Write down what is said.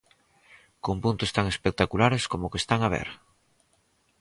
Con puntos tan espectaculares como o que están a ver.